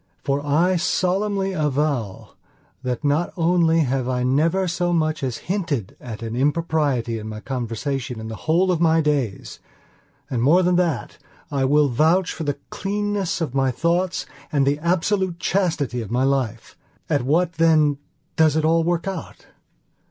For I solemnly avow that not only have I never so much as hinted at an impropriety in my conversation in the whole of my days; and more than that, I will vouch for the cleanness of my thoughts and the absolute chastity of my life. At what, then, does it all work out?